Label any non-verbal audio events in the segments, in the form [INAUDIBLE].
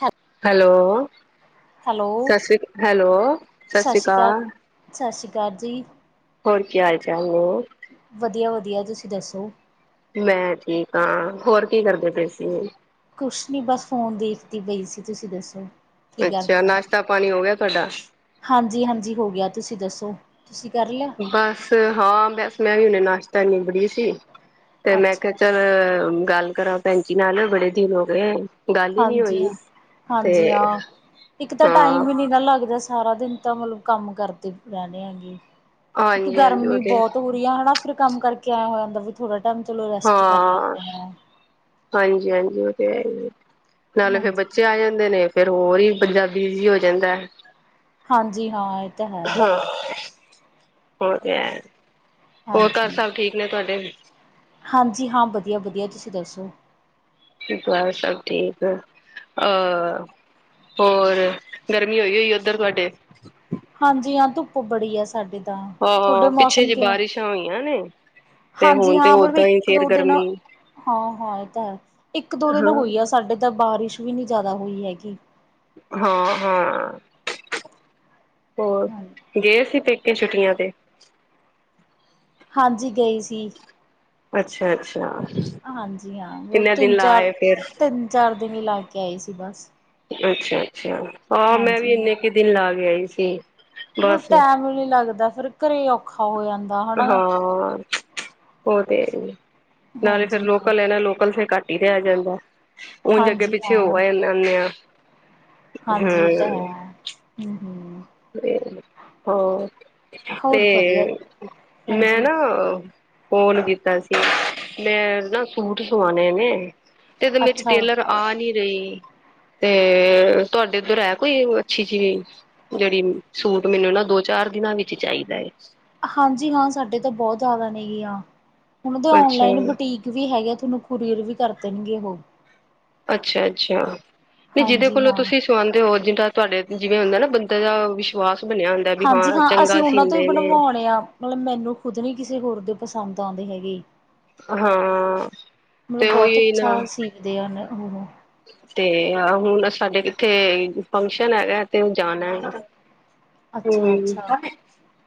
ਹੈ hello hello Sat Sri ਅ hello Sat Sri Akal Sat Sri ਅਕਾਲ ਜੀ, ਹੋਰ ਕੀ ਹਾਲ ਚਾਲ ਨੇ, ਵਧੀਆ, ਵਧੀਆ ਤੁਸੀਂ ਦੱਸੋ। ਮੈਂ ਠੀਕ ਹਾਂ, ਹੋਰ ਕੀ ਕਰਦੇ ਪਏ ਸੀਂ, ਕੁਛ ਨੀ ਬਸ ਫੋਨ ਦੇਖਦੀ ਪਈ ਸੀ ਤੁਸੀਂ ਦੱਸੋ, ਕੀ ਅੱਛਾ ਕਰਦੇ ਹੋ ਨਾਸ਼ਤਾ ਪਾਣੀ ਹੋ ਗਿਆ ਤੁਹਾਡਾ। ਹਾਂਜੀ, ਹਾਂਜੀ ਹੋ ਗਿਆ ਤੁਸੀਂ ਦੱਸੋ ਤੁਸੀਂ ਕਰ ਲਿਆ। ਬਸ ਹਾਂ ਬਸ ਮੈਂ ਵੀ ਹਨੇ ਨਾਸ਼ਤਾ ਈ ਨਿਬੜੀ ਸੀ ਤੇ ਮੈਂ ਕਿਹਾ ਅੱਛਾ ਚੱਲ ਅ ਗੱਲ ਕਰਾਂ ਭੈਣ ਜੀ ਨਾਲ ਬੜੇ ਦਿਨ ਹੋ ਗਏ, ਗੱਲ ਹੀ ਨੀ ਹਾਂਜੀ ਹ, ਹੋਈ। ਤੇ ਹਾਂਜੀ ਹਾਂ ਇੱਕ ਤਾਂ ਹਾਂ, ਟਾਈਮ ਹੀ ਨੀ ਨਾ ਲੱਗਦਾ ਸਾਰਾ ਦਿਨ। ਤਾਂ ਮਤਲਬ ਕੰਮ ਕਰਦੇ ਰਹਿੰਦੇ ਹੈਗੇ, ਇੱਕ ਹਾਂਜੀ-ਹਾਂਜੀ ਉਹ ਗਰਮੀ ਤੇ ਬਹੁਤ ਹੋ। ਕੁੜਆ ਹਨਾ ਫਿਰ ਕੰਮ ਕਰਕੇ ਆਇਆ ਹੋਇ ਜਾਂਦਾ ਵੀ ਥੋੜਾ ਟਾਈਮ ਚਲੋ ਰੈਸਟ ਕਰ ਲੈਂਦੇ ਆ ਹਾਂਜੀ, ਹਾਂਜੀ ਉਹ ਤੇ ਹੈ, ਨਾਲੇ ਫਿਰ ਹਾਂਜੀ ਬੱਚੇ ਆ ਜਾਂਦੇ ਨੇ। ਫੇਰ ਹੋਰ ਹੀ ਬੰਦਾ ਬਿਜੀ ਹੋ ਜਾਂਦਾ, ਹਾਂਜੀ ਹਾਂ ਇਹ ਤਾਂ ਹੈ ਹਾਂ, ਹੋ ਗਿਆ, ਹੋਰ, ਘਰ ਹਾਂਜੀ ਸਭ ਠੀਕ ਨੇ ਤੁਆਡੇ? ਹਾਂਜੀ ਹਾਂ, ਵਧੀਆ-ਵਧੀਆ। ਤੁਸੀਂ ਦੱਸੋ? ਜੀ ਘੱਰ ਸਭ ਠੀਕ। ਅ ਹੋਰ, ਗਰਮੀ ਹੋਈ ਹੋਈਏ ਓਧਰ ਤੁਆਡੇ? ਹਾਂਜੀ ਹਾਂ, ਧੁੱਪ ਬੜੀ ਆ ਸਾਡੇ ਤਾਂ ਤੁਹਾਡੇ ਹਾਂ, ਪਿੱਛੇ ਮੌਸਮ ਜੇ ਕਿਵੇਂ ਬਾਰਿਸ਼ਾਂ ਹੋਈਆਂ ਨੇ। ਤੇ ਹਾਂਜੀ ਹੁਣ ਤੇ ਹਾਂ, ਮਲਬ ਓਦਾਂ ਹੀ ਇੱਕ ਫੇਰ ਦੋ-ਦਿਨ ਹਾਂ ਗਰਮੀ ਹਾਂ ਏਹ ਤਾਂ ਹੈ, ਇੱਕ-ਦੋ ਦਿਨ ਹਾਂ ਹੋਈ ਆ। ਸਾਡੇ ਤਾਂ ਬਾਰਿਸ਼ ਵੀ ਨੀ ਜਾਦਾ ਹੋਈ ਹੈਗੀ। ਹਾਂ ਹਾਂ, ਹੋਰ ਹਾਂ ਗਏ ਸੀ ਪੇ ਕੇ ਛੁੱਟੀਆਂ ਤੇ। ਹਾਂਜੀ, ਗਈ ਸੀ। ਅੱਛਾ, ਅੱਛਾ। ਹਾਂਜੀ ਹਾਂ, ਵੋ ਕਿੰਨੇ ਦਿਨ ਲਾ ਤਿੰਨ-ਚਾਰ, ਆਏ ਫੇਰ? ਤਿੰਨ-ਚਾਰ ਦਿਨ ਹੀ ਲਾ ਕੇ ਆਏ ਸੀ ਬਸ। ਅੱਛਾ ਅੱਛਾ, ਹਾਂ ਮੈਂ ਵੀ ਹਾਂਜੀ ਇੰਨੇ ਕ ਦਿਨ ਲਾ ਕੇ ਆਈ ਸੀ। ਬੁਲ ਬਸ ਟੈਮ ਈ ਨੀ ਲੱਗਦਾ, ਫੇਰ ਘਰੇ ਔਖਾ ਹੋ ਜਾਂਦ ਹਾਂ, ਓਹ ਤੇ ਹੈ ਈ ਏ। ਨਾਲੇ ਫਿਰ ਹਾਂਜੀ ਹਾਂ ਲੋਕਲ ਐ ਨਾ ਲੋਕਲ ਫਿਰ ਕੱਟ ਈ ਰੇਆ ਜਾਂਦਾ। ਓੰਝ ਹਾਂਜੀ ਅੱਗੇ-ਪਿੱਛੇ ਹੋ ਹਾਂ ਆਏ ਲੈਲੇ ਆਂ। ਹਾਂਜੀ, ਇ ਤਾਂ ਹੈ। ਹੂੰ ਹੂੰ। ਏਅ ਹਾਂ, ਤੇ ਹੋਰ ਵਧੀਆ ਮੈਂ ਹਾਂਜੀ ਨਾ ਅ ਫੋਨ ਕੀਤਾ ਸੀ, ਮੈਂ ਨਾ ਸੂਟ ਸਵਾਣੇ ਨੇ, ਤੇ ਤੇ ਲੇਡੀ ਅੱਛਾ ਟੇਲਰ ਆ ਆ ਨੀ ਰਈ, ਤੇ ਤੁਹਾਡੇ ਉੱਧਰ ਹੈ ਕੋਈ ਅੱਛੀ ਚੀ ਜੇੜੀ ਸੂਟ ਮੈਨੂੰ ਨਾ ਦੋ-ਚਾਰ ਦਿਨਾਂ ਵਿੱਚ ਈ ਚਾਈਦਾ ਏ। ਹਾਂਜੀ ਹਾਂ, ਸਾਡੇ ਤਾਂ ਬੌਤ ਜਾ ਦਾ ਨੇਗਿਆਂ। ਹੁਣ ਤਾਂ ਅੱਛਾ ਔਨਲਾਈਨ ਬੁਟੀਕ ਵੀ ਹੈਗੇ ਆ, ਥੁਨੂੰ ਕੁਰੀਅਰ ਵੀ ਕਰ ਦੇਣਗੇ ਓਹ। ਅੱਛਾ ਅੱਛਾ, ਤੇ ਜਿਦੇ ਹਾਂਜੀ ਕੋਲੋਂ ਹਾਂ ਤੁਸੀਂ ਸਵਾੰਦੇ ਹੋ ਜਿਦਾ ਤੁਹਾਡੇ ਜਿਵੇਂ ਹੁੰਦਾ ਨਾ ਬੰਦੇ ਦਾ ਵਿਸ਼ਵਾਸ ਬਣਿਆ ਹੁੰਦ ਹਾਂਜੀ ਹਾਂ, ਅਸੀਂ ਉਨਾਂ ਤੋਂ ਹੀ ਬਣਵੋਣੇ ਆ। ਮਤਲਬ ਮੈਨੂੰ ਖੁਦ ਨੀ ਕਿਸੇ ਹੋਰ ਦੇ ਪਸੰਦ ਆਂਦੇ ਹੈਗੇ। ਹਾਂ, ਤੇ ਓਈਓ ਨਾ। ਇਹ ਦੇਆਣ ਉਹੂ ਤੇ ਹਾਂ ਹੁਣ ਆ ਸਾਡੇ ਕਿੱਥੇ ਫੰਕਸ਼ਨ ਹੈਗੈ ਤੇ ਓਹ ਜਾਣੈ। ਅੱਛਾ ਅੱਛਾ,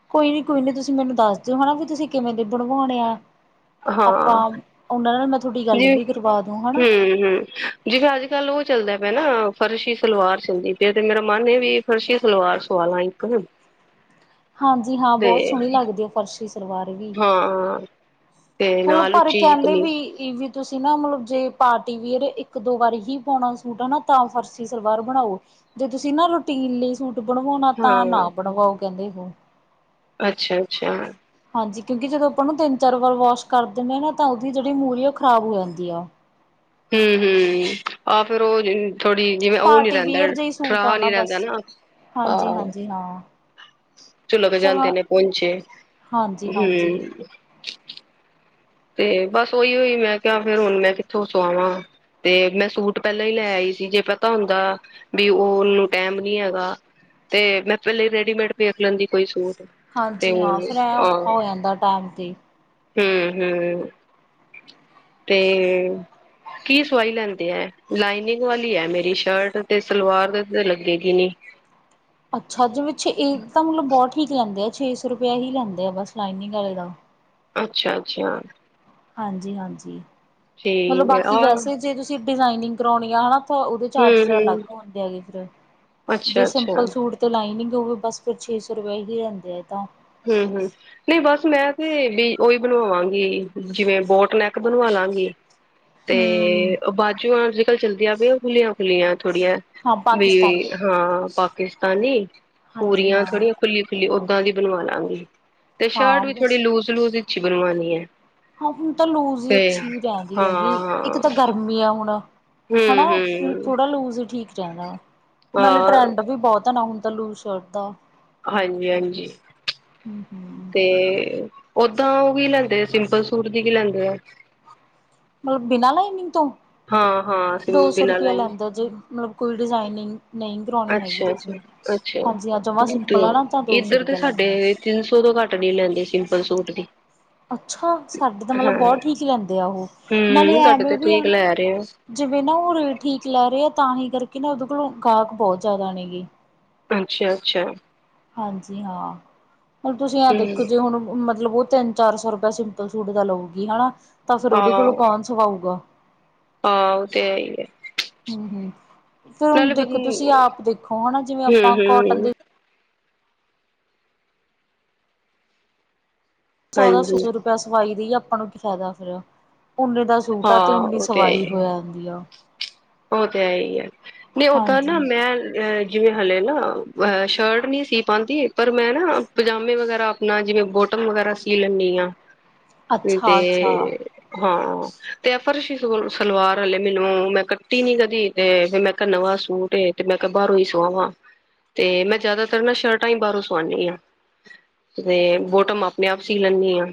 ਕੋਈ ਨੀ ਕੋਈ ਨੀ ਤੁਸੀਂ ਮੈਨੂੰ ਦੱਸ ਦਿਓ, ਹਨਾ ਵੀ ਤੁਸੀਂ ਕਿਵੇਂ ਦੇ ਬਣਵੋਣੇ ਆ। ਅਪਾਂ ਹਾਂ ਓਨਾਂ ਨਾਲ ਮੈਂ ਥੋਡੀ ਗੱਲ ਜੀ ਵੀ ਕਰਵਾ ਦੂੰ, ਹੈਨਾ। ਹੂੰ, ਹੂੰ। ਜਿਵੇ ਅੱਜ-ਕੱਲ ਓਹ ਚੱਲਦਾ ਪਿਐ ਨਾ ਫਰਸ਼ੀ ਸਲਵਾਰ ਚੱਲਦੀ ਪਈ ਤੇ ਮੇਰਾ ਮਨ ਏਹ ਵੀ ਏ ਫਰਸ਼ੀ ਸਲਵਾਰ ਸਵਾਲਾਂ ਈ ਕਵਾਂ ਹਾਂਜੀ ਹਾਂ, ਬੌਤ ਸੋਣੀ ਲੱਗਦੀ ਏ ਫਰਸ਼ੀ ਸਲਵਾਰ ਵੀ। ਹਾਂ। ਤੇ ਹੁਣ ਨਾਲ ਪਰ ਉੱਚੀ ਕੈੰਦੇ ਵੀ ਕਮੀਜ਼ ਇਹ ਵੀ ਤੁਸੀਂ ਨਾ ਮਤਲਬ ਜੇ ਪਾਰਟੀ ਵੀਅਰ ਇੱਕ ਦੋ ਵਾਰ ਹੀ ਪੋਣਾ ਓ ਸੂਟ ਹੈ ਨਾ ਤਾਂ ਫਰਸੀ ਸਲਵਾਰ ਬਣਾਓ। ਜੇ ਤੁਸੀਂ ਨਾ ਰੂਟੀਨ ਲਈ ਸੂਟ ਬਣਵੋਣਾ ਤਾਂ ਹਾਂ ਨਾ ਬਣਵਾਓ ਕੈੰਦੇ ਓਹ। ਅੱਛਾ, ਅੱਛਾ। ਹਾਂਜੀ, ਕਿਉਂਕਿ ਜਦੋਂ ਅਪਾਂ ਨਾ ਤਿੰਨ, ਚਾਰ ਵਾਰ ਵਾਸ਼ ਕਰ ਦੇਨੇ ਆ ਨਾ ਤਾਂ ਓਹਦੀ ਜੇੜੀ ਮੂਰੀ ਏ ਓਹ ਖ਼ਰਾਬ ਹੋ ਜਾਂਦੀ ਐ। ਹੂੰ ਹੂੰ, ਆਹ ਫੇਰ ਓਹ ਜੀਥੋੜੀ ਜਿਵੇਂ ਓਹ ਨੀ ਪਾਰਟੀ ਰੈੰਦਾ ਵੀਅਰ ਜਿਹੀ ਸੂਟ ਆ ਠਰਾ ਨੀ ਬਸ ਰੈੰਦਾ ਨਾ, ਹਾਂਜੀ ਆਹ। ਹਾਂਜੀ ਹਾਂ। ਚੁਲਕ ਚਲੋ ਜਾਦੇ ਨੇ ਪੋੰਚੇ, ਹਾਂਜੀ ਹਾਂਜੀ ਹੂੰ। ਤੇ ਬਸ ਓਈਓ ਈ ਮੈਂ ਕਿਆ ਫੇਰ ਹੁਣ ਮੈਂ ਕਿੱਥੋਂ ਸਾਵਾਵਾਂ। ਤੇ ਮੈਂ ਸੂਟ ਪਹਿਲਾਂ ਈ ਲੈ ਆਈ ਸੀ, ਜੇ ਪਤਾ ਹੁੰਦਾ ਵੀ ਓ ਉਹਨੂੰ ਟੈਮ ਨੀ ਹੈਗਾ ਤੇ ਮੈਂ ਪੈਲੇ ਈ ਰੈਡੀਮੇਡ ਦੇਖ ਲੈਦੀ ਕੋਈ ਸੂਟ। ਤੇ ਹਾਂਜੀ ਹਾਂ, ਫਿਰ ਐ ਔਖਾ ਹੋ ਜਾਂਦਾ ਟਾਈਮ 'ਤੇ ਹੂੰ-ਹੂੰ ਤੇ, ਕੀ ਸਵਾਈ ਲੈਂਦੇ ਐ ਲਾਈਨਿੰਗ ਵਾਲੀ ਆ ਮੇਰੀ ਸ਼ਰਟ ਤੇ ਸਲਵਾਰ ਦੇ ਉਤੇ ਲੱਗੇਗੀ ਨਹੀ, ਅੱਛਾ, ਜਿਵੇ ਛ ਇਹ ਤਾਂ ਮਤਲਬ ਬਹੁਤ ਠੀਕ ਲੈਂਦੇ ਆ ਛੇ ਸੌ ਰੁਪਇਆ ਹੀ ਲੈਂਦੇ ਆ ਬਸ ਲਾਈਨਿੰਗ ਆਲੇ ਦਾ, ਅੱਛਾ-ਅੱਛਾ। ਹਾਂਜੀ-ਹਾਂਜੀ, ਮਤਲਬ ਠੀਕ ਹੈ ਬਾਕੀ ਆਹ ਵੈਸੇ ਜੇ ਤੁਸੀਂ ਡਿਜ਼ਾਇਨਿੰਗ ਕਰਵਾਉਣੀ ਆ ਹਨਾ, ਤਾਂ ਉਹਦੇ ਹੂੰ ਚਾਰਜ ਹੂੰ ਅਲੱਗ ਹੁੰਦੇ ਹੈ ਗੇ ਫਿਰ ਜੇ ਅੱਛਾ ਅੱਛਾ ਸਿੰਪਲ ਸੂਟ, ਤੇ ਲਾਈਨਿੰਗ ਹੋਵੇ ਬੱਸ ਫਿਰ ਛੇ ਸੌ ਰੁਪਏਆ ਹੀ ਲਹਿੰਦੇ ਆ ਤਾਂ, ਹੂੰ-ਹੂੰ, ਨਹੀ ਬਸ ਮੈਂ ਤੇ ਵੀ ਉਹੀ ਬਣਵਾ ਵਾਂਗੀ, ਜਿਵੇਂ ਬੋਟਨੈਕ ਬਣਵਾ ਲਾਂਗੀ। ਤੇ ਹੂੰ, ਬਾਜੂ ਆ ਅੱਜ ਕੱਲ ਚੱਲਦੀਆਂ ਪਈ ਖੁੱਲੀਆਂ ਖੁੱਲੀਆਂ ਥੋੜੀਆਂ, ਹਾਂ ਵੀ ਪਾਕਿਸਤਾਨੀ ਹਾਂ ਪਾਕਿਸਤਾਨੀ ਹਾਂਜੀ ਪੂਰੀਆਂ ਹਾਂ, ਥੋੜੀਆਂ ਖੁੱਲੀ-ਖੁੱਲੀ ਓਦਾਂ ਦੀ, ਬਣਵਾ ਲਾਂਗੀ ਤੇ ਹਾਂ ਸ਼ਰਟ ਵੀ ਥੋੜੀ ਬਸ। ਲੂਜ-ਲੂਜ ਵਿੱਚ ਹੀ ਬਣਵਾਉਣੀ ਹੈ। ਹਾਂ, ਹੁਣ ਤਾਂ ਲੂਜ਼ ਹੀ ਅੱਛੀ ਰਹਿੰਦੀ ਹੈ ਗੀ, ਇੱਕ ਹਾਂ-ਹਾਂ ਤਾਂ ਗਰਮੀ ਹੈ ਹੁਣ। ਹਨਾ, ਹੂੰ-ਹੂੰ ਥੋੜਾ ਲੂਜ ਹੀ ਠੀਕ ਰਹਿੰਦਾ ਵਾ ਨਾਲੇ ਹਾਂ ਟਰੈਂਡ ਵੀ ਬਹੁਤ ਹੈ ਨਾ ਹੁਣ ਤਾਂ ਲੂਜ, ਚੌੜਦਾਂ, ਹਾਂਜੀ-ਹਾਂਜੀ, ਹੂੰ-ਹੂੰ ਤੇ ਓਦਾਂ ਉਹ ਵੀ ਲੈਂਦੇ ਆ, ਸਿੰਪਲ ਸੂਟ ਦੀ ਵੀ ਲੈਂਦੇ ਆ। ਬਿਨਾਂ ਲਾਈਨਿੰਗ ਤੋਂ ਹਾਂ-ਹਾਂ ਦੋ ਸੌ ਬਿਨਾਂ ਰੁਪਇਆ ਲਾਈਨਿੰਗ ਲੈਂਦਾ ਜੀ। ਮਤਲਬ ਕੋਈ ਡਿਜ਼ਾਇਨਿੰਗ ਨਈ, ਅੱਛਾ, ਅੱਛਾ, ਜਮਾਂ ਸਿੰਪਲ ਆ ਅੱਛਾ ਨਾ ਤਾਂ ਦੋ ਸੌ ਇੱਧਰ ਤੇ ਰੁਪਇਆ ਲੈਂਦੇ ਆ। ਸਾਡੇ ਤਿੰਨ ਸੌ ਤੋਂ ਘੱਟ ਨੀ ਲੈਂਦੇ ਸਿੰਪਲ ਸੂਟ ਦੀ, ਅੱਛਾ, ਸਾਡੇ ਤਾਂ ਮਤਲਬ ਹਾਂ, ਬਹੁਤ ਠੀਕ ਲੈਂਦੇ ਆ ਉਹ ਨਾਲੇ ਹੂੰ ਤੁਹਾਡੇ ਐਵੇਂ ਤੇ ਵੀ ਆ ਠੀਕ ਨਾ, ਲੈ ਰਹੇ ਆ, ਜਿਵੇਂ ਨਾ ਉਹ ਰੇਟ ਠੀਕ ਲੈ ਰਹੇ ਆ ਤਾਂ ਹੀ ਕਰਕੇ ਨਾ ਉਹਦੇ ਕੋਲੋ ਗਾਹਕ ਬਹੁਤ ਜ਼ਿਆਦਾ ਨੇ ਗੇ। ਅੱਛਾ-ਅੱਛਾ। ਹਾਂਜੀ ਹਾਂ, ਔਰ ਤੁਸੀਂ ਆ ਦੇਖੋ ਹੂੰ, ਜੇ ਹੁਣ ਮਤਲਬ ਉਹ ਤਿੰਨ, ਚਾਰ ਸੌ ਰੁਪਿਆ ਸਿੰਪਲ ਸੂਟ ਦਾ ਲਊਗੀ ਹਨਾ ਤਾਂ ਫੇਰ ਉਹਦੇ ਕੋਲੋਂ ਕੌਣ ਸਵਾਊਗਾ। ਹਾਂ, ਤੇ ਹੈ ਹੀ ਏ, ਹੂ ਫੇਰ ਹੁਣ ਦੇਖੋ ਤੁਸੀਂ ਹੂੰ-ਹੂੰ, ਆਪ ਦੇਖੋ ਹਨਾ, ਜਿਵੇਂ ਆਪਾਂ ਕੋਟਨ ਦੇ, ਸੌਦਾ ਸ ਹਾਂਜੀ, ਸੌ ਰੁਪਇਆ ਸਵਾਈ ਦੇ ਆਪਾਂ ਨੂੰ ਕੀ ਫਾਇਦਾ ਫਿਰਿਆ ਓਨੇ ਦਾ, ਸੂਟਾ ਤੇ ਹਾਂ ਉਨੀ ਉਹ ਤੇ ਹੈ ਸਵਾਈ ਹੀ, ਹੋਇਆ ਜਾਂਦੀ ਆ। ਉਹ ਤਾਂ ਹੈ ਹੀ ਹੈ, ਨਹੀ ਓਦਾਂ ਨਾ ਹਾਂਜੀ ਮੈਂ ਅਹ, ਜਿਵੇਂ ਹਲੇ ਨਾ ਸ਼ਰਟ ਨਹੀ ਸੀ ਪਾਉਦੀ ਪਰ ਮੈਂ ਨਾ ਪਜਾਮੇ ਵਗੈਰਾ, ਨਾ ਜਿਵੇਂ ਬੋਟਮ ਵਗੈਰਾ ਸੀ ਲੈਣੀ ਆ ਤੇ, ਅੱਛਾ ਅੱਛਾ ਹਾਂ ਤੇ ਐ ਫਰਸ਼ੀ ਸਲਵਾਰ ਆਲੇ ਮੈਨੂੰ ਮੈਂ ਤੀ ਨੀ ਕਦੀ ਤੇ ਮੈਂ ਕਿਹਾ ਨਵਾਂ ਸੂਟ ਤੇ ਮੈਂ ਕਿਹਾ ਬਾਹਰੋਂ ਹੀ ਸਆਵਾਂ। ਤੇ ਮੈਂ ਜ਼ਿਆਦਾਤਰ ਨਾ ਸ਼ਰਟਾਂ ਹੀ ਬਾਹਰੋਂ ਸਵਾਂਣੀ ਆ। ਤੇ ਬੋਟਮ ਆਪਣੇ ਆਪ ਸੀ ਲੈਣੀ ਆ।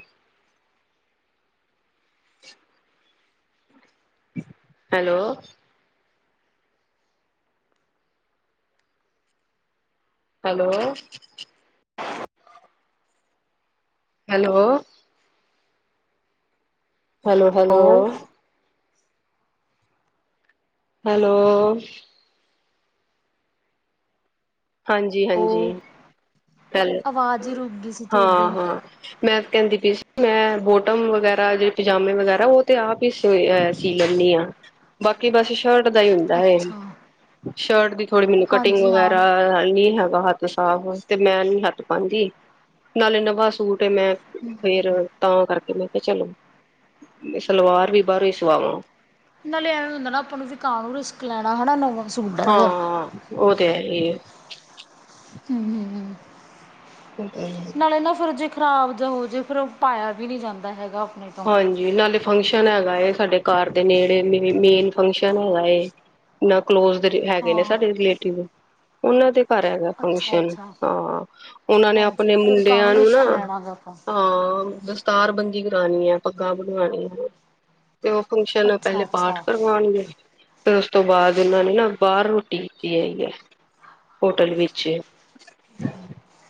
ਹੈਲੋ, ਹੈਲੋ, ਹੈਲੋ ਹੈਲੋ-ਹੈਲੋ ਉਹ ਹੈਲੋ। ਉਹ ਹਾਂਜੀ-ਹਾਂਜੀ, ਪਹਿਲੇ ਆਵਾਜ਼ ਹੀ ਰੁਕ ਗਈ ਸੀ ਤੁਹਾਡੀ ਹਾਂ-ਹਾਂ। ਮੈਂ ਕਹਿੰਦੀ ਪੀ ਸੀ ਮੈਂ ਬੋਟਮ ਵਗੈਰਾ ਜ ਪਜਾਮੇ ਵਗੈਰਾ ਉਹ ਤੇ ਆ ਪੀ ਤੇ ਐ ਸੀ ਲੈਂਦੀ ਆ, ਬਾਕੀ ਬੱਸ ਸ਼ਰਟ ਦਾ ਹੀ ਹੁੰਦਾ ਹੈ। ਅੱਛਾ ਸ਼ਰਟ ਦੀ ਥੋੜੀ ਮੈਨੂੰ ਕਟਿੰਗ ਹਾਂਜੀ ਹਾਂ ਵਗੈਰਾ ਹੂੰ ਨੀ ਹੈਗਾ ਹੱਥ ਸਾਫ਼ ਤੇ ਮੈਂ ਨੀ ਹੱਥ ਪਾਦੀ, ਨਾਲੇ ਨਵਾਂ ਸੂਟ ਮੈਂ ਹੂੰ ਫੇਰ ਤਾਂ ਕਰਕੇ ਮੈਂ ਕਿਹਾ ਚਲੋ। ਮੈ ਸਲਵਾਰ ਵੀ ਬਾਹਰੋਂ ਹੀ ਸਵਾਵਾਂ। ਨਾਲੇ ਐਵੇਂ ਹੁੰਦਾ ਨਾ ਆਪਾਂ ਨੂੰ ਵੀ ਕਉਣ ਨੂੰ ਰਿਸਕ ਲੈਣਾ ਹਨਾ ਨਵਾਂ ਸੂਟ ਹੈਗਾ ਹਾਂ, ਉਹ ਤੇ ਹੈ ਹੀ ਐ। ਹੂੰ ਹੂੰ। ਹੂੰ ਨਾਲੇ ਨਾ ਫਿਰ ਜੇ ਖ਼ਰਾਬ ਜਾਂ ਹੋ ਜੇ ਫਿਰ ਉਹ ਪਾਇਆ ਵੀ ਨਹੀਂ ਜਾਂਦਾ ਹੈਗਾ ਆਪਣੇ ਤੋਂ ਹਾਂਜੀ ਨਾਲੇ ਫੰਕਸ਼ਨ ਹੈਗਾ ਅ ਸਾਡੇ ਘਰ ਦੇ ਨੇੜੇ ਮੇ -ਮੇਨ ਫੰਕਸ਼ਨ ਹੈਗਾ ਏ। ਨਾ ਕਲੋਜ ਦੇ ਹੈਗੇ ਨੇ ਹਾਂ ਸਾਡੇ ਰਿਲੇਟਿਵ। ਉਹਨਾਂ ਦੇ ਘਰ ਹੈਗਾ ਅੱਛਾ ਫੰਕਸ਼ਨ ਅੱਛਾ ਹਾਂ ਉਹਨਾਂ ਨੇ ਹਾਂਜੀ ਆਪਣੇ ਹਾਂ ਫਿਰ ਮੁੰਡਿਆਂ ਕਾਹਨੂੰ ਨੂੰ ਨਾ ਰਿਸਕ ਲੈਣਾ ਗਾ ਆਪਾਂ ਹਾਂ, ਦਸਤਾਰ ਬੰਦੀ ਕਰਾਣੀ ਐ। ਪੱਗਾਂ ਬਣਵਾਉਣੀਆਂ। ਤੇ ਉਹ ਫੰਕਸ਼ਨ ਐ ਅੱਛਾ ਪਹਿਲੇ ਪਾਠ ਅੱਛਾ ਕਰਵਾਉਣਗੇ। ਫਿਰ ਉਸ ਤੋਂ ਬਾਅਦਂ ਉਹਨਾਂ ਨੇ ਨਾਂ ਬਾਹਰ ਰੋਟੀ ਕੀਤੀ ਹੈਗੀ ਐ। ਹੋਟਲ ਵਿੱਚ,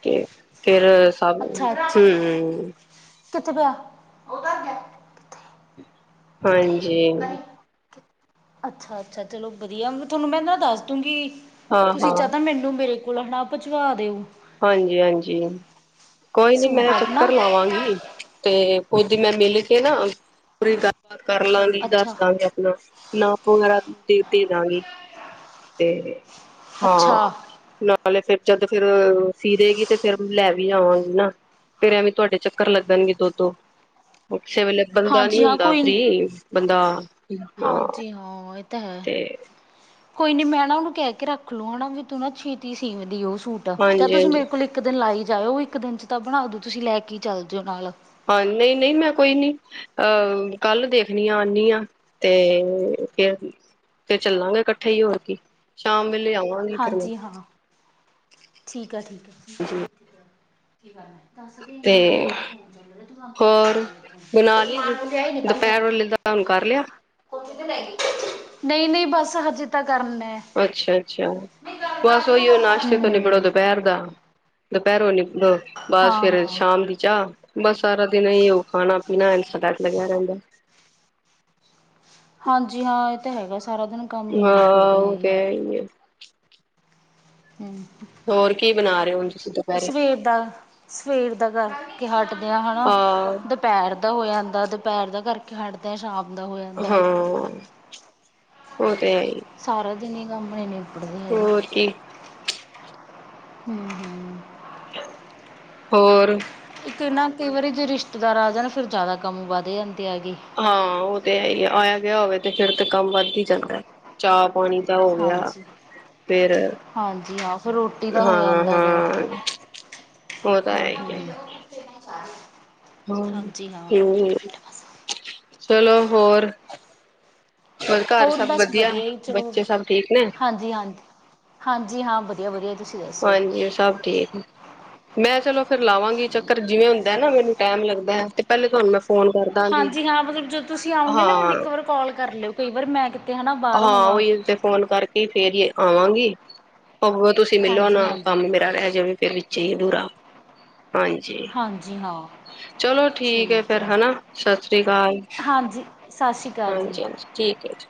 ਤੇ ਫਿਰ ਖਾਵਾਗੇ, ਅੱਛਾ ਹੂੰ ਅੱਛਾ ਹੂੰ। ਕਿੱਥੇ ਪਿਆ ਉਹਦਰ ਪਿਆ ਹਾਂਜੀ ਕਰੇ ਅੱਛਾ ਅੱਛਾ ਚਲੋ ਵਧੀਆ ਤੁਹਾਨੂੰ ਮੈਂ ਨਾ ਦੱਸ ਦੂੰਗੀ ਹਾਂ ਤੁਸੀਂ ਹਾਂ ਜਾਹਤਾ ਮੈਨੂੰ ਮੇਰੇ ਕੋਲ ਹੈ ਨਾ ਭਜਵਾ ਦਿਓ। ਹਾਂਜੀ ਹਾਂਜੀ ਹਨ, ਕੋਈ ਨਾ ਸੂਟ ਮੈਂ ਚੱਕਰ ਆਪਣਾ ਲਾਵਾਂਗੀ। ਤੇ ਕੁਜ ਮੈਂ ਮਿਲ ਕੇ ਨਾ, ਪੂਰੀ ਗੱਲਬਾਤ ਕਰ ਲਾਂਗੀ ਦੱਸ ਅੱਛਾ ਦਾਂਗੀ ਆਪਣਾ। ਨਾਪ ਵਗੈਰਾ ਦੇ ਦੇਦਾਂ ਗੀ ਤੇ ਅੱਛਾ ਹਾਂ। ਹਲੇ ਫਿਰ ਜਦ ਫਿਰ ਅ ਸੀ ਦੇਗੀ ਤੇ ਫਿਰ ਲੈ ਵੀ ਆਵਾਂਗੀ ਨਾ, ਫਿਰ ਐਵੇਂ ਤੁਹਾਡੇ ਚੱਕਰ ਲੱਗਣਗੇ ਦੋ ਦੋ [UNINTELLIGIBLE] ਵੇਲੇ ਲੰਘੜ ਦਾ ਨੀ ਹਾਂਜੀ ਹਾਂ ਹੁੰਦਾ, ਕੋਈ ਫਰੀ ਹੋਏ ਬੰਦਾ। ਹਾਂ ਹਾਂਜੀ ਹਾਂ, ਇਹ ਤਾਂ ਹੈ। ਤੇ ਕੋਈ ਨੀ ਮੈਂ ਨਾ ਉਹਨੂੰ ਕਹਿ ਕੇ ਰੱਖ ਲੋ ਨਾਂ ਵੀ ਤੂੰ ਨਾ ਛੇਤੀਹ ਸੀ ਦੀ ਓ ਸੂਟ ਦ ਚ ਹਾਂਜੀ ਤੁਸੀਂ ਹਾਂਜੀ ਮੇਰੇ ਕੋਲ ਇੱਕ ਦਿਨ ਲਾਈ ਜਾਇਓ ਇੱਕ ਦਿਨ ਚ ਤਾਂ ਬਣਾ ਦੂ ਤੁਸੀਂ ਲੈ ਕੇ ਚੱਲ ਜਾਓ ਨਾਲ। ਹਾਂ ਨਹੀਂ- ਨਹੀਂ ਮੈਂ ਕੋਈ ਨੀ। ਅਹ ਕੱਲ ਦੇਖਣੀਆਂ ਆਂਨੀ, ਤੇ ਫ ਫੇਰ ਚੱਲਾਂਗੇ ਇਕੱਠੇ ਹੀ ਹੋਰ ਕੀ, ਸ਼ਾਮ ਵੇਲੇ ਆਵਾਂ ਹਾਂਜੀ ਹਾਂ। ਠੀਂਕ ਆ ਠੀਕ ਆ। ਦੱਸ ਮ ਤੇ ਮੇ ਫੋਨ ਚ ਹੋਰ ਬਣਾ ਲਈ ਤੂੰ ਲਿਆਾਈ [UNINTELLIGIBLE] ਦੁਪਹਿਰ ਹੁਣ ਗੱਲ ਕਰ ਰਿਹਾ? [UNINTELLIGIBLE] ਨਹੀਂ -ਨਹੀਂ ਬਸ ਹਜੇ ਤਾਂ ਕਰਨਾ। ਅੱਛਾ ਅੱਛਾ ਨਹੀਂ ਗੱਲ ਬਸ ਕਰਦੇ ਨਾ ਉਹੀ -ਉਹ ਕੰਮ ਕਰਾ ਦੇ ਨਾਸ਼ਤੇ ਤੋਂ ਨਿਬੜੋ ਹੂੰ ਦੁਪਹਿਰ ਦਾ। ਦੁਪਹਿਰੋਂ ਨਿਬੜੇ ਬਸ ਹਾਂ ਫਿਰ ਹਾਂ ਸ਼ਾਮ ਦੀ ਚਾਹ ਬਸ ਸਾਰਾਂ ਦਿਨ ਏਹੀ ਓ ਖਾਂਣਾ ਪੀਣਾ ਐਸ ਦੇ ਟਾਈਮ ਲੱਗਿਆਂ ਰਹਿੰਦਾਂ। ਹਾਂਜੀ ਹਾਂ ਇਹ ਤਾਂ ਹੈਗਾ ਸਾਰਾਂ ਦਿਨ ਕੰਮ ਹੀ ਨਹੀਂ ਹਾਂ, ਨਿਬੜਦੇ ਉਹ ਤੇਂ ਹੈਗੇ ਹੈ ਈ ਏ। ਹਂ। ਹੋਰ ਕੀ ਬਣਾ ਰਹੇ ਹੋਂ ਤੁਸੀ? ਸਵੇਰ ਦਾ, ਸਵੇਰ ਦਾ ਕਰਕੇ ਹਟਦੇ ਆਂ ਹਨਾਂ ਹਾਂ ਦਪ ਦੁਪੈਰ ਦਾ ਹੋ ਜਾਂਦਾ ਦੁਪੈਰ ਦਾ ਕਰਕੇ ਹਟਦੇ ਆਂ, ਸ਼ਾਮ ਦਾ ਹੋ ਜਾਂਦਾ। ਹਾਂ ਉਹ ਤੇ ਹੈ ਈ। ਸਾਰਾ ਦਿਨ ਈ ਕੰਮ ਨੀ ਤੇ ਹੋਰ ਕੀ। ਹਂ, ਹਂ। ਹੋਰ? ਇਕ ਨਾ ਕਈ ਵਾਰੀ ਜੇ ਰਿਸ਼ਤੇਦਾਰ ਆ ਜਾਂਨ ਫਿਰ ਜ਼ਿਆਦਾ ਕੰਮ ਵੱਧ ਜਾਂਦੇ ਐ ਗੇ। ਹਾਂ ਉਹ ਤੇ ਹੈ ਈ ਏ, ਆਇਆ ਗਿਆ ਹੋਵੇ ਤੇ ਫਿਰ ਤੇ ਕੰਮ ਵੱਧ ਈ ਜਾਂਦਾ ਚਾਅ ਪਾਣੀ ਦਾ ਹੋ ਗਿਆ। ਹਾਂਜੀ। ਫੇਰ, ਹਾਂਜੀ ਹਾਂ ਫਿਰ ਰੋਟੀ ਦਾ ਹੋ ਹਾਂ ਜਾਂਦਾ ਗਾ। ਹਾਂ। ਔ ਤਾਂ ਹੂੰ ਹੈ ਈ ਏ। ਹੂੰ। [INAUDIBLE] ਹਾਂ, ਹਾਂਜੀ ਹਾਂ। ਠੀਕ ਈ ਐ, ਚਲੋ ਹੋਰ? ਘਰ ਹੋਰ ਸਭ ਬਸ ਵਧੀਆ ਈ ਚਲੋ, ਬੱਚੇ ਸਭ ਠੀਕ ਨੇ ਹਾਂਜੀ ਹਾਂਜੀ। ਹਾਂਜੀ ਹਾਂ, ਵਧੀਆ ਵਧੀਆ। ਤੁਸੀਂ ਦੱਸੋ? ਏ ਸਭ ਠੀਕ। ਮੈਂ ਚਲੋ ਫੇਰ ਲਾਵਾਂਗੀ ਚੱਕਰ ਜਿਵੇਂ ਹੁੰਦਾ ਨਾ ਮੈਨੂੰ ਟਾਈਮ ਲੱਗਦਾ ਏ, ਪਹਿਲੇ ਤੁਹਾਨੂੰ ਮੈਂ ਫੋਨ ਕਰਦਾਂਗੀ ਹਾਂਜੀ ਹਾਂ, ਮਤਲਬ ਜਦੋਂ ਤੁਸੀਂ ਆਂਓਗੇ ਨਾ ਮੈਨੂੰ ਹਾਂ, ਇੱਕ ਵਾਰ ਕਾੱਲ ਕਰ ਲਿਓ ਕਈ ਵਾਰ ਮੈਂ ਕਿਤੇ ਹਨਾਂ ਬਾਰ ਹੋਵਾਂ। ਫਿਰ ਤੇ ਫੋਨ ਕਰਕੇ ਤੇ ਫੇਰ ਏ ਆਵਾਂਗੀ। ਅਗੋ ਫੇਰ ਤੁਸੀਂ ਮਿਲੋ ਹਾਂਜੀ ਨਾ, ਕੰਮ ਹਾਂਜੀ ਮੇਰਾ ਰੈਅ ਜਾਵੇ ਫਿਰ ਵਿੱਚੇ ਈ ਅਧੂਰਾ ਹਾਂਜੀ। ਹਾਂਜੀ ਹਾਂ। ਚਲੋ ਠੀਕ ਏ ਫੇਰ ਹਨਾਂ, ਸਤਿ ਸ੍ਰੀ ਕਾਲ। ਹਾਂਜੀ ਸਤਿ ਸ਼੍ਰੀ ਅਕਾਲ ਜੀ। ਹਾਂਜੀ ਹਾਂਜੀ। ਠੀਕ ਏ, ਠੀਕ।